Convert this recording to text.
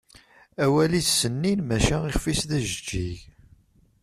Awal-is sennin maca ixf-is d ajeǧǧig.